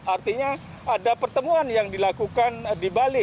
artinya ada pertemuan yang dilakukan di bali